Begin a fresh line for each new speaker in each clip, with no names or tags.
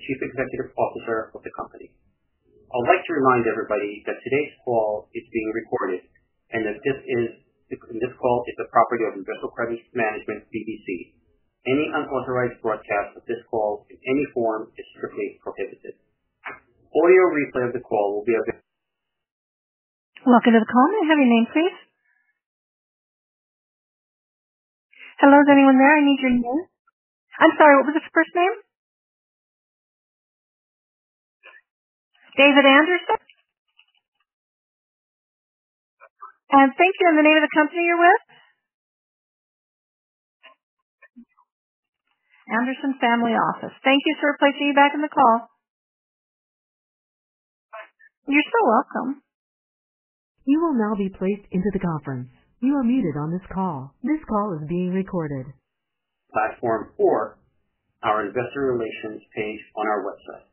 Chief Executive Officer of the company. I'd like to remind everybody that today's call is being recorded and that this call is the property of Investcorp Credit Management BDC. Any unauthorized broadcast of this call in any form is strictly prohibited. Audio replay of the call will be available. Platform or our investor relations page on our website.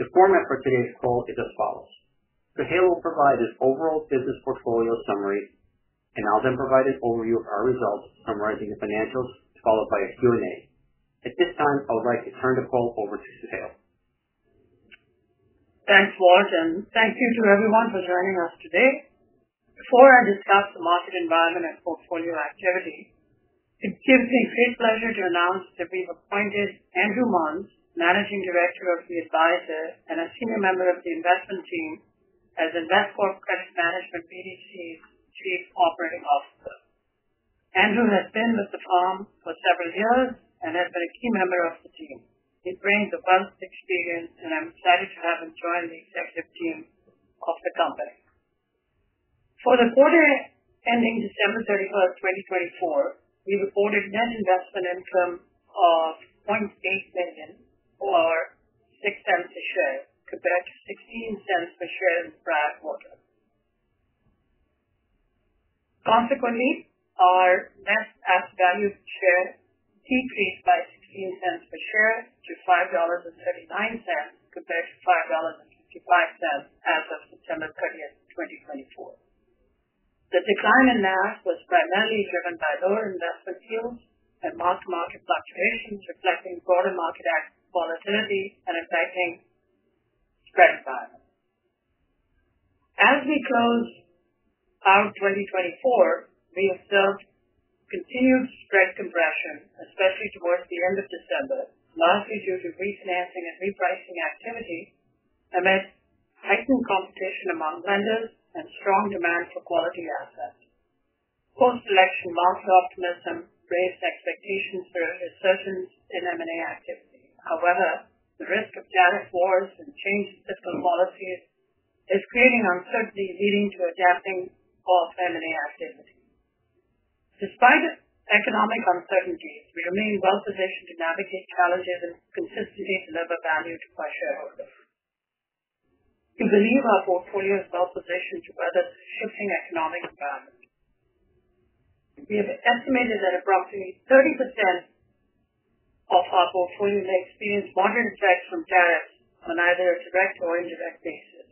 The format for today's call is as follows. Suhail will provide his overall business portfolio summary, and I'll then provide an overview of our results summarizing the financials followed by a Q&A. At this time, I would like to turn the call over to Suhail.
Thanks, Walter. Thank you to everyone for joining us today. Before I discuss the market environment and portfolio activity, it gives me great pleasure to announce that we've appointed Andrew Muns, Managing Director of the Advisor and a senior member of the investment team, as Investcorp Credit Management BDC's Chief Operating Officer. Andrew has been with the firm for several years and has been a key member of the team. He brings a wealth of experience, and I'm excited to have him join the executive team of the company. For the quarter ending December 31, 2024, we reported net investment income of $0.8 million or $0.06 a share compared to $0.16 per share in the prior quarter. Consequently, our net asset value per share decreased by $0.16 per share to $5.39 compared to $5.55 as of September 30, 2024. The decline in NAV was primarily driven by lower investment yields and mild market fluctuations reflecting broader market volatility and affecting the spread environment. As we close out 2024, we have felt continued spread compression, especially towards the end of December, largely due to refinancing and repricing activity amid heightened competition among lenders and strong demand for quality assets. Post-election, market optimism raised expectations for recessions in M&A activity. However, the risk of tariff wars and changes in fiscal policies is creating uncertainty leading to a dampening of M&A activity. Despite economic uncertainties, we remain well-positioned to navigate challenges and consistently deliver value to our shareholders. We believe our portfolio is well-positioned to weather the shifting economic environment. We have estimated that approximately 30% of our portfolio may experience market effects from tariffs on either a direct or indirect basis.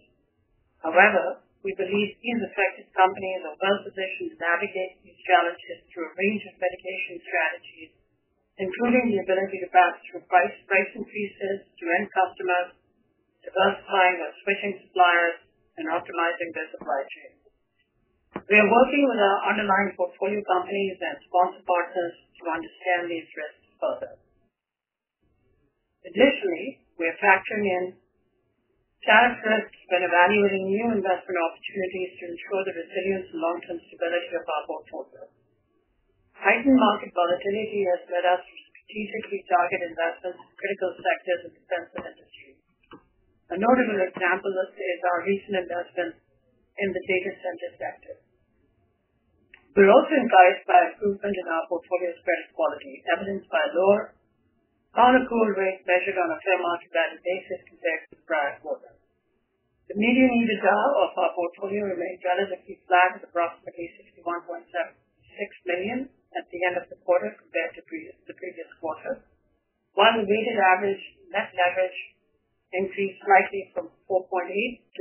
However, we believe these affected companies are well-positioned to navigate these challenges through a range of mitigation strategies, including the ability to pass through price increases to end customers, diversifying or switching suppliers, and optimizing their supply chains. We are working with our underlying portfolio companies and sponsor partners to understand these risks further. Additionally, we are factoring in tariff risks when evaluating new investment opportunities to ensure the resilience and long-term stability of our portfolio. Heightened market volatility has led us to strategically target investments in critical sectors and defensive industries. A notable example is our recent investment in the data center sector. We're also encouraged by improvement in our portfolio's credit quality, evidenced by a lower non-accrual rate measured on a fair market value basis compared to the prior quarter. The median EBITDA of our portfolio remained relatively flat at approximately $61.76 million at the end of the quarter compared to the previous quarter, while the weighted average net leverage increased slightly from 4.8-5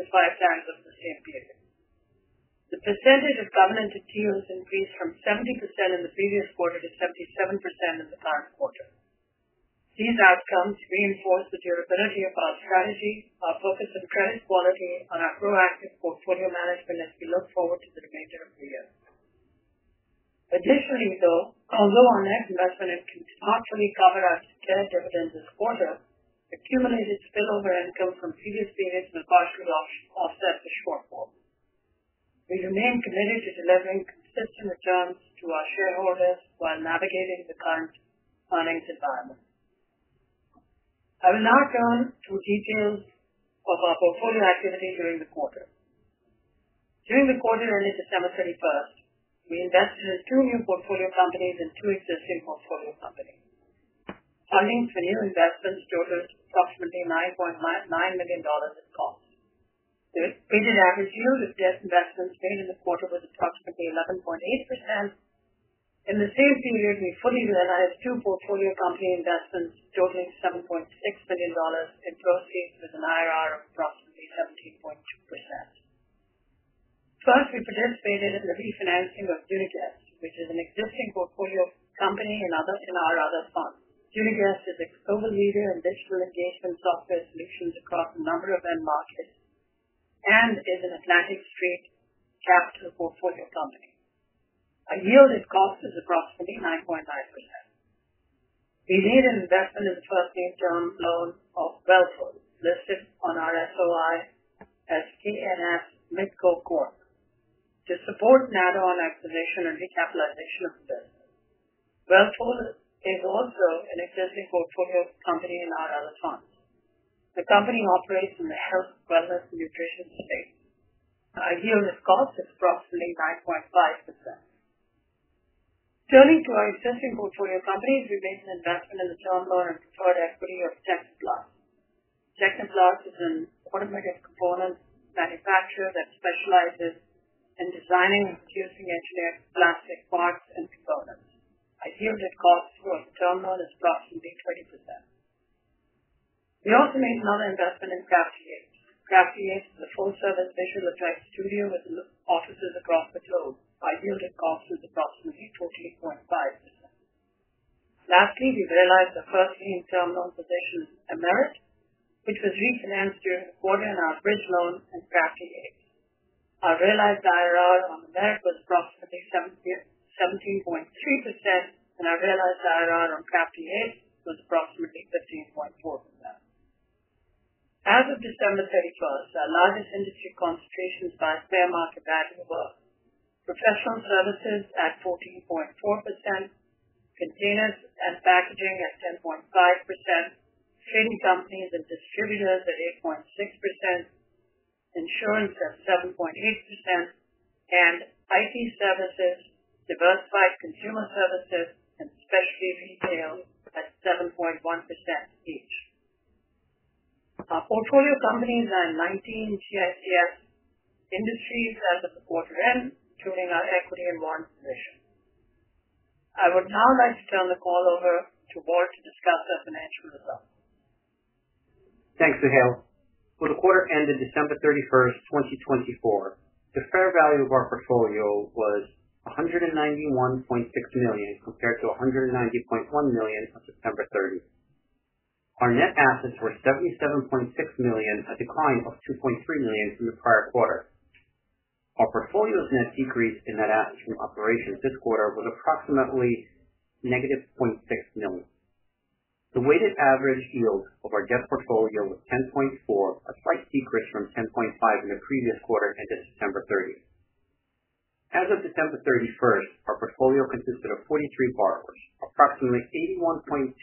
times over the same period. The percentage of covenant-lite deals increased from 70% in the previous quarter to 77% in the current quarter. These outcomes reinforce the durability of our strategy, our focus on credit quality, and our proactive portfolio management as we look forward to the remainder of the year. Additionally, though, although our net investment has not fully covered our share dividends this quarter, accumulated spillover income from previous periods will partially offset the shortfall. We remain committed to delivering consistent returns to our shareholders while navigating the current earnings environment. I will now turn to details of our portfolio activity during the quarter. During the quarter ending December 31, we invested in two new portfolio companies and two existing portfolio companies. Funding for new investments totaled approximately $9 million in cost. The weighted average yield of debt investments made in the quarter was approximately 11.8%. In the same period, we fully realized two portfolio company investments totaling $7.6 million in proceeds with an IRR of approximately 17.2%. First, we participated in the refinancing of Uniguest, which is an existing portfolio company in our other fund. Uniguest is a global leader in digital engagement software solutions across a number of end markets and is an Atlantic Street Capital portfolio company. Our yielded cost is approximately 9.9%. We made an investment in the first lien term loan of Wellful, listed on our SOI as KNS Midco Corp, to support an add-on acquisition and recapitalization of investments. Wellful is also an existing portfolio company in our other funds. The company operates in the health, wellness, and nutrition space. Our yielded cost is approximately 9.5%. Turning to our existing portfolio companies, we made an investment in the term loan and preferred equity of Techniplas. Techniplas is an automotive component manufacturer that specializes in designing and producing engineered plastic parts and components. Our yielded cost for the term loan is approximately 20%. We also made another investment in Crafty Apes. Crafty Apes is a full-service visual effects studio with offices across the globe. Our yielded cost is approximately 14.5%. Lastly, we realized the first lien term loan position, Amerit, which was refinanced during the quarter in our bridge loan and Crafty Apes. Our realized IRR on Amerit was approximately 17.3%, and our realized IRR on Crafty Apes was approximately 15.4%. As of December 31, our largest industry concentrations by fair market value were professional services at 14.4%, containers and packaging at 10.5%, trading companies and distributors at 8.6%, insurance at 7.8%, and IT services, diversified consumer services, and specialty retail at 7.1% each. Our portfolio companies are 19 GICS industries as of the quarter end, including our equity and warrant position. I would now like to turn the call over to Walter to discuss our financial results.
Thanks, Suhail. For the quarter ending December 31, 2024, the fair value of our portfolio was $191.6 million compared to $190.1 million on September 30. Our net assets were $77.6 million, a decline of $2.3 million from the prior quarter. Our portfolio's net decrease in net assets from operations this quarter was approximately -$0.6 million. The weighted average yield of our debt portfolio was 10.4%, a slight decrease from 10.5% in the previous quarter ending September 30. As of December 31, our portfolio consisted of 43 borrowers. Approximately 81.2%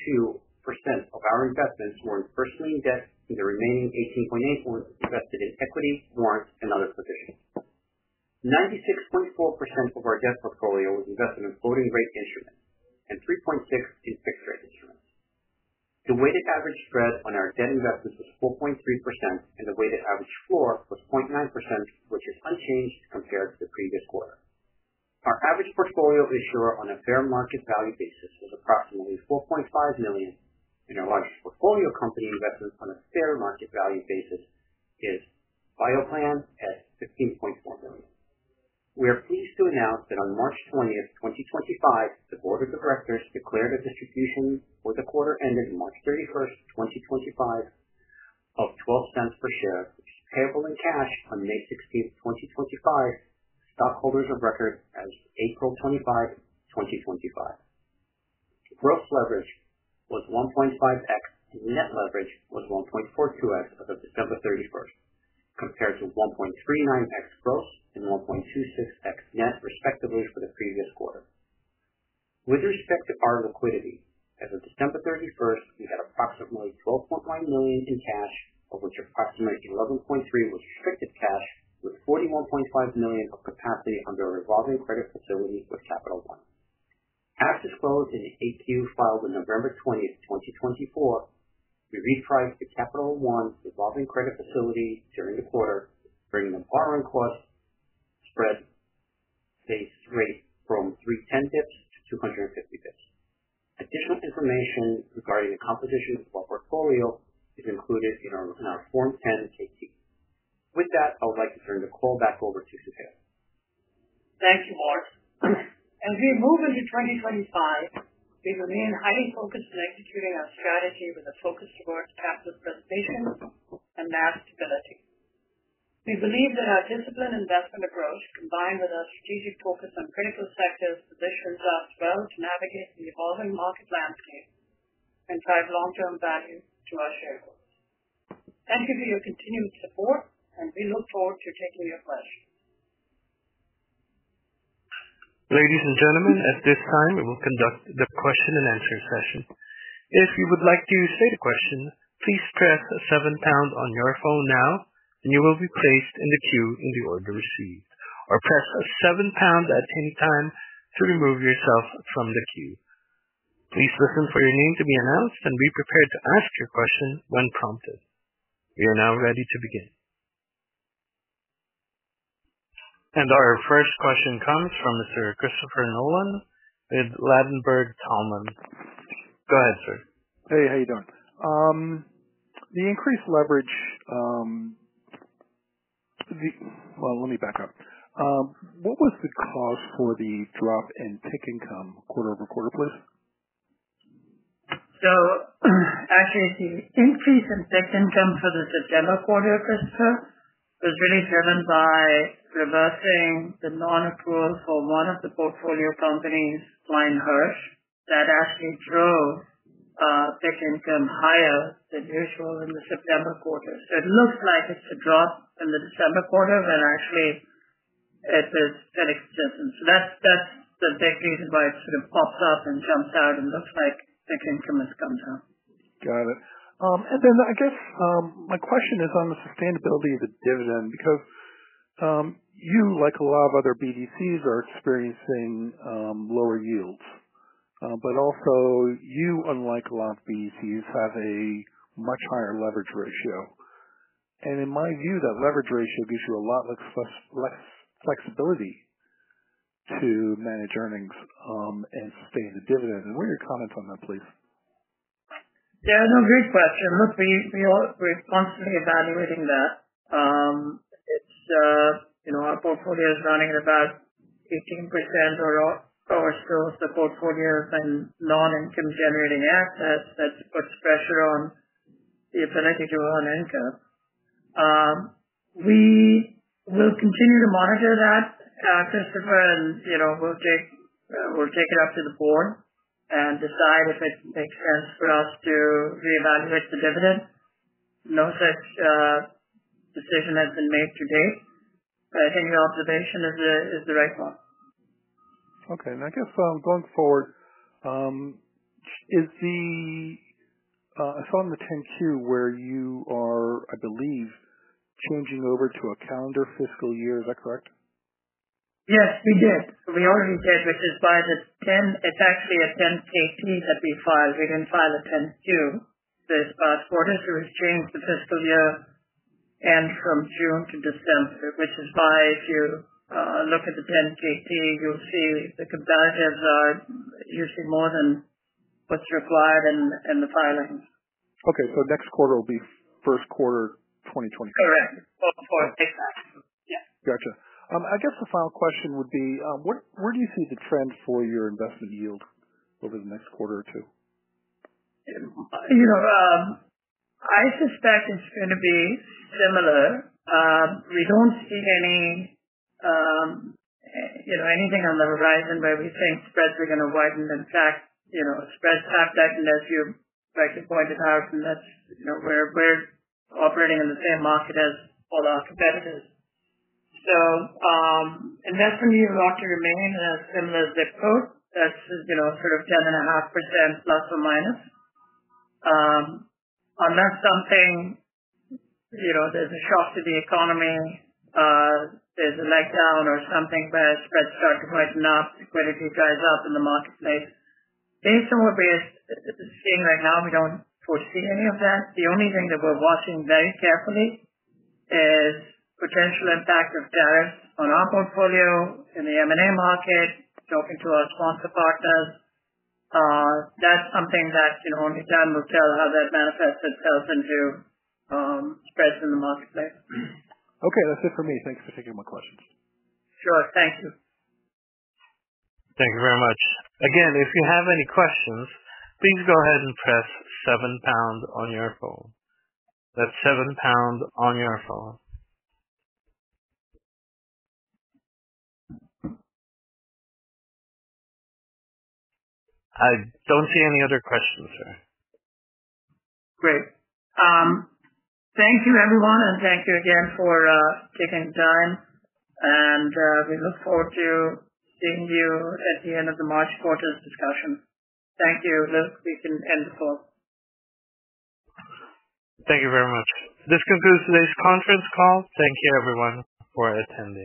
of our investments were in first lien debt, and the remaining 18.8% were invested in equity, warrants, and other positions. 96.4% of our debt portfolio was invested in floating rate instruments and 3.6% in fixed rate instruments. The weighted average spread on our debt investments was 4.3%, and the weighted average floor was 0.9%, which is unchanged compared to the previous quarter. Our average portfolio issuer on a fair market value basis was approximately $4.5 million, and our largest portfolio company investment on a fair market value basis is BioPlan at $15.4 million. We are pleased to announce that on March 20th, 2025, the board of directors declared a distribution for the quarter ending March 31st, 2025, of $0.12 per share, which is payable in cash on May 16th, 2025, to stockholders of record as of April 25th, 2025. Gross leverage was 1.5x, and net leverage was 1.42x as of December 31st, compared to 1.39x gross and 1.26x net, respectively, for the previous quarter. With respect to our liquidity, as of December 31, we had approximately $12.1 million in cash, of which approximately 11.3% was restricted cash, with $41.5 million of capacity under a revolving credit facility with Capital One. As disclosed in the 10-Q filed on November 20, 2024, we repriced the Capital One revolving credit facility during the quarter, bringing the borrowing cost spread rate from 310 basis points to 250 basis points. Additional information regarding the composition of our portfolio is included in our Form 10-KT. With that, I would like to turn the call back over to Suhail.
Thank you, Walter. As we move into 2025, we remain highly focused on executing our strategy with a focus towards capital preservation and NAV stability. We believe that our disciplined investment approach, combined with our strategic focus on critical sectors, positions us well to navigate the evolving market landscape and drive long-term value to our shareholders. Thank you for your continued support, and we look forward to taking your questions.
Ladies and gentlemen, at this time, we will conduct the question and answer session. If you would like to say the question, please press seven pound on your phone now, and you will be placed in the queue in the order received. Press seven pound at any time to remove yourself from the queue. Please listen for your name to be announced and be prepared to ask your question when prompted. We are now ready to begin. Our first question comes from Mr. Christopher Nolan with Ladenburg Thalmann. Go ahead, sir.
Hey, how you doing? The increased leverage, let me back up. What was the cause for the drop in PIK income quarter-over-quarter, please?
Actually, the increase in PIK income for the September quarter, Christopher, was really driven by reversing the non-approval for one of the portfolio companies, Klein Hersh, that actually drove PIK income higher than usual in the September quarter. It looks like it's a drop in the December quarter when actually it was 10x dividends. That's the big reason why it sort of pops up and jumps out and looks like PIK income has come down.
Got it. I guess my question is on the sustainability of the dividend because you, like a lot of other BDCs, are experiencing lower yields. Also, you, unlike a lot of BDCs, have a much higher leverage ratio. In my view, that leverage ratio gives you a lot less flexibility to manage earnings and sustain the dividend. What are your comments on that, please?
Yeah, no, great question. Look, we're constantly evaluating that. Our portfolio is running at about 18% or so of the portfolio in non-income-generating assets. That puts pressure on the ability to earn income. We will continue to monitor that, Christopher, and we'll take it up to the board and decide if it makes sense for us to reevaluate the dividend. No such decision has been made to date. I think your observation is the right one.
Okay. I guess going forward, is the I saw in the 10-Q where you are, I believe, changing over to a calendar fiscal year. Is that correct?
Yes, we did. We already did, which is by the 10, it's actually a 10-KT that we filed. We didn't file a 10-Q this past quarter. We have changed the fiscal year end from June to December, which is why if you look at the 10-KT, you'll see the competitors are usually more than what's required in the filings.
Okay. Next quarter will be first quarter 2024.
Correct. Before I take that. Yeah.
Gotcha. I guess the final question would be, where do you see the trend for your investment yield over the next quarter or two?
I suspect it's going to be similar. We don't see anything on the horizon where we think spreads are going to widen. In fact, spreads have that, and as you rightly pointed out, that's we're operating in the same market as all our competitors. So investment yield ought to remain as similar as zip code. That's sort of 10.5% plus or minus. Unless there's a shock to the economy, there's a leg down or something, where spreads start to widen up, liquidity dries up in the marketplace. Based on what we're seeing right now, we don't foresee any of that. The only thing that we're watching very carefully is potential impact of tariffs on our portfolio in the M&A market, talking to our sponsor partners. That's something that only time will tell how that manifests itself into spreads in the marketplace.
Okay. That's it for me. Thanks for taking my questions.
Sure. Thank you.
Thank you very much. Again, if you have any questions, please go ahead and press seven pound on your phone. That's seven pound on your phone. I don't see any other questions, sir.
Great. Thank you, everyone, and thank you again for taking the time. We look forward to seeing you at the end of the March quarter's discussion. Thank you. We can end the call.
Thank you very much. This concludes today's conference call. Thank you, everyone, for attending.